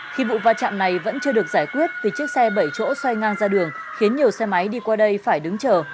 khi vụ va chạm này vẫn chưa được giải quyết vì chiếc xe bảy chỗ xoay ngang ra đường khiến nhiều xe máy đi qua đây phải đứng chờ